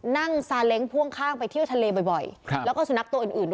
นั่งซาเล้งพ่วงข้างไปเที่ยวทะเลบ่อยบ่อยครับแล้วก็สูนักตัวอื่นอื่นด้วย